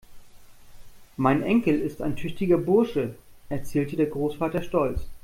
Mein Enkel ist ein tüchtiger Bursche, erzählte der Großvater stolz.